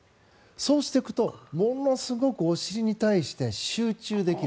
そうしていくと、ものすごくお尻に対して集中できる。